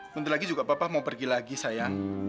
bentar lagi juga papa mau pergi lagi sayang